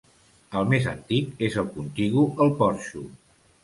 El més antic és el contigu al porxo.